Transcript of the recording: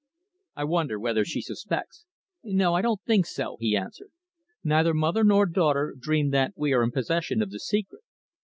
"I wonder whether she suspects?" "No, I don't think so," he answered. "Neither mother nor daughter dream that we are in possession of the secret.